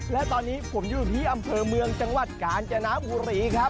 และตอนนี้ผมอยู่ที่อำเภอเมืองจังหวัดกาญจนบุรีครับ